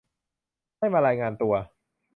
ไม่มารายงานตัว